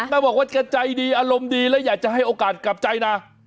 บอกว่าแกใจดีอารมณ์ดีและอยากจะให้โอกาสกลับใจนะ